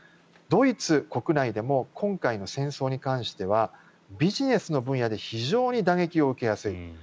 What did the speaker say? ドイツ国内でも今回の戦争に関してはビジネスの分野で非常に打撃を受けやすい。